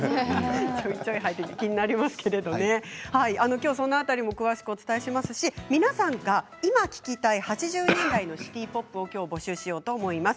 今日はその辺りも詳しくお伝えしますし皆さんが今、聴きたい８０年代のシティ・ポップを今日募集しようと思います。